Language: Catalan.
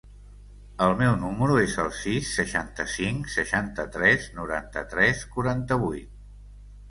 El meu número es el sis, seixanta-cinc, seixanta-tres, noranta-tres, quaranta-vuit.